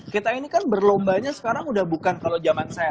kita ini kan berlombanya sekarang udah bukan kalau zaman saya